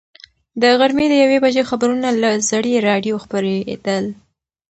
د غرمې د یوې بجې خبرونه له زړې راډیو خپرېدل.